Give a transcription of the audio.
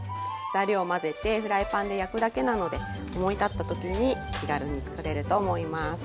材料を混ぜてフライパンで焼くだけなので思い立った時に気軽に作れると思います。